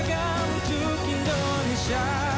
kau penuh dengan kelemahan